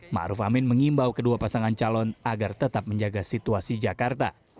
⁇ maruf amin mengimbau kedua pasangan calon agar tetap menjaga situasi jakarta